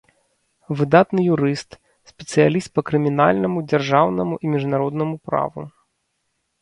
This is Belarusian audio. Выдатны юрыст, спецыяліст па крымінальнаму, дзяржаўнаму і міжнароднаму праву.